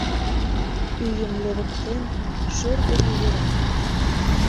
Ӱйым левыктен, шӧр дене йӧра.